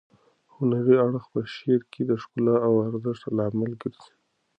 هنري اړخ په شعر کې د ښکلا او ارزښت لامل ګرځي.